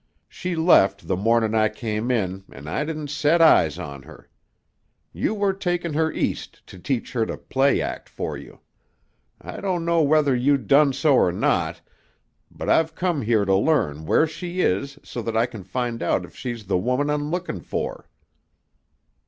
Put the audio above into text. She left the mornin' I came in an' I didn't set eyes on her. You were takin' her East to teach her to play act for you. I don't know whether you done so or not, but I've come here to learn where she is so that I can find out if she's the woman I'm lookin' for."